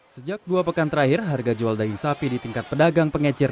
sejak dua pekan terakhir harga jual daging sapi di tingkat pedagang pengecer